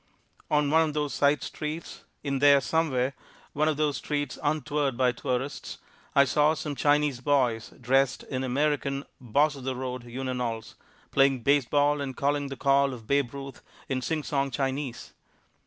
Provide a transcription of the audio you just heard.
On one of those side streets, in there somewhere, one of those streets untoured by tourists, I saw some Chinese boys, dressed in American "Boss of the Road" unionalls, playing baseball and calling the call of Babe Ruth in sing song Chinese.